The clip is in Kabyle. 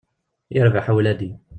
Yarbaḥ a wladi.